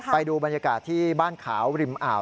ไปดูบรรยากาศที่บ้านขาวริมอ่าว